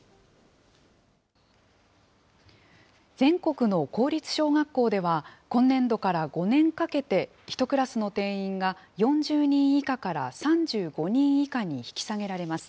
全国の公立小学校では、今年度から５年かけて、１クラスの定員が４０人以下から３５人以下に引き下げられます。